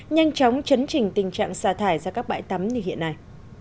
nhanh chóng chấn trình tình trạng xa thải ra các bãi tắm như hiện nay